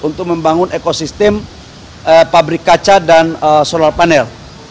untuk membangun ekosistem pabrik kaca dan solar panel